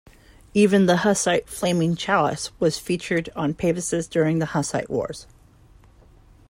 Even the Hussite flaming chalice was featured on pavises during the Hussite Wars.